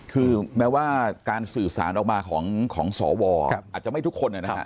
คือแม้ว่าการสื่อสารออกมาของสวอาจจะไม่ทุกคนนะครับ